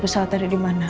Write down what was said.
itu pesawat tadi di mana